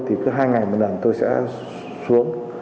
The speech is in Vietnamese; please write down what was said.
thì cứ hai ngày một lần tôi sẽ xuống